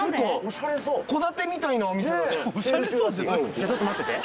じゃあちょっと待ってて。